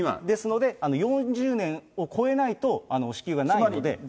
ですので、４０年を超えないと支給がないので。